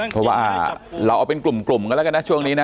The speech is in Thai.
เพราะว่าเราเอาเป็นกลุ่มกันแล้วกันนะช่วงนี้นะ